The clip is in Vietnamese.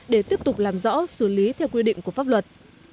để tiếp tục làm rõ xử lý theo quy định của pháp luật